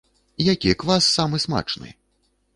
Які квас самы смачны?